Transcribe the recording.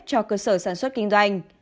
cho cơ sở sản xuất kinh doanh